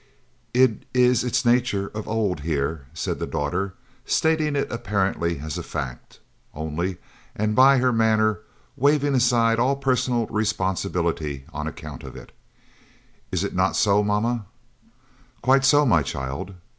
"It is its nature of old, here," said the daughter stating it apparently as a fact, only, and by her manner waving aside all personal responsibility on account of it. "Is it not so, mamma?" "Quite so, my child.